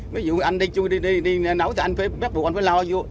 ví dụ anh đi chui đi nấu thì anh phải lo vô